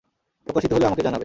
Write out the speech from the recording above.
প্রকাশিত হলে আমাকে জানাবে।